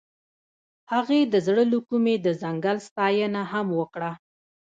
هغې د زړه له کومې د ځنګل ستاینه هم وکړه.